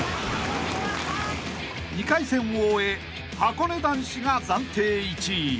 ［２回戦を終えはこね男子が暫定１位］